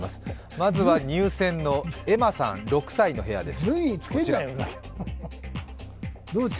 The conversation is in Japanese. まずは入選のエマさん６歳の部屋です。